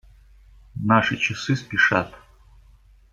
Наши часы спешат.